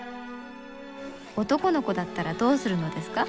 「男の子だったらどうするのですか？」。